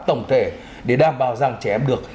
tổng thể để đảm bảo rằng trẻ em được